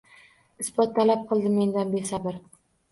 Isbot talab qildi mendan besabr.